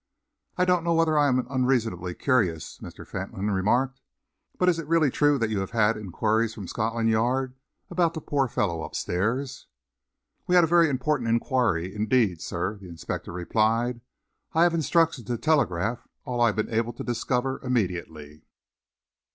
"I don't know whether I am unreasonably curious," Mr. Fentolin remarked, "but is it really true that you have had enquiries from Scotland Yard about the poor fellow up stairs?" "We had a very important enquiry indeed, sir," the inspector replied. "I have instructions to telegraph all I have been able to discover, immediately."